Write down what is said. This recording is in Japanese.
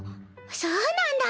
そうなんだ。